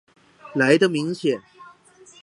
來的明顯